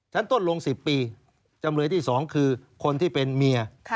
ชั้นต้นลง๑๐ปีจำเลยที่๒คือคนที่เป็นเมีย